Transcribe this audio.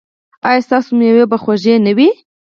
ایا ستاسو میوې به خوږې نه وي؟